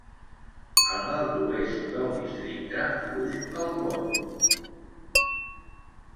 Al nord-oest del districte fluïx el Bode.